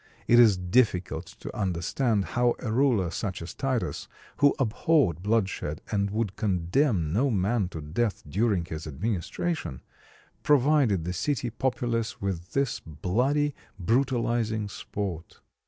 It is difficult to understand how a ruler such as Titus, who abhorred bloodshed and would condemn no man to death during his administration, provided the city populace with this bloody, brutalizing sport.